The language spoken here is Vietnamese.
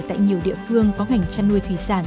tại nhiều địa phương có hành trăn nuôi thủy sản